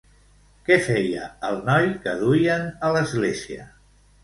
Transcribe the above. Què feia el noi que duien a l'església?